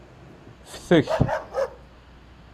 Ftek.